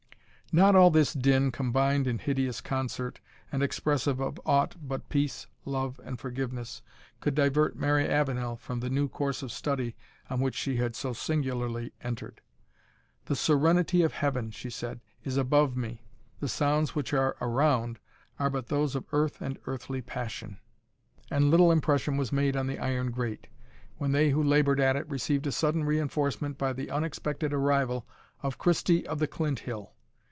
Not all this din, combined in hideous concert, and expressive of aught but peace, love, and forgiveness, could divert Mary Avenel from the new course of study on which she had so singularly entered. "The serenity of Heaven," she said, "is above me; the sounds which are around are but those of earth and earthly passion." Meanwhile the noon was passed, and little impression was made on the iron grate, when they who laboured at it received a sudden reinforcement by the unexpected arrival of Christie of the Clinthill.